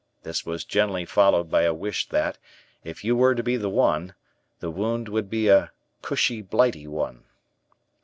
This was generally followed by a wish that, if you were to be the one, the wound would be a "cushy Blighty one."